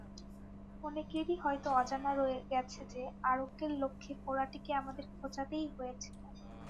অনেকেরই হয়তো অজানা রয়ে গেছে যে, আরোগ্যের লক্ষ্যে ফোঁড়াটিকে আমাদের খোঁচাতেই হয়েছিল।